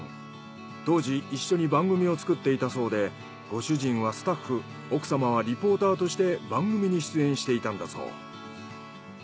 当時一緒に番組を作っていたそうでご主人はスタッフ奥様はリポーターとして番組に出演していたんだそう。